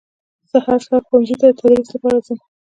زه هر سهار ښوونځي ته در تدریس لپاره ځم